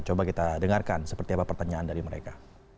coba kita dengarkan seperti apa pertanyaan dari mereka